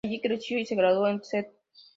Allí creció y se graduó en el St.